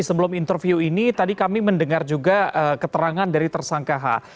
sebelum interview ini tadi kami mendengar juga keterangan dari tersangka h